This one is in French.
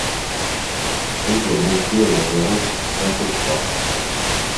Rue des Metiers au numéro vingt-trois